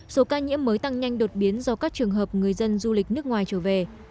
số ca nhiễm mới tăng nhanh đột biến do các trường hợp người dân du lịch nước ngoài trở về